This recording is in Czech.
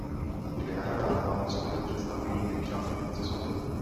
Dvě nahraná alba souboru představují jen část produkce souboru.